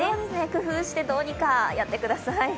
工夫して、どうにかやってください。